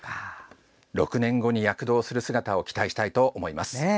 ６年後に躍動する姿を期待したいと思います。